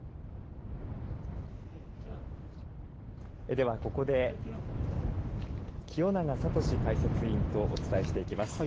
ではここできよながさとし解説員とお伝えしていきます。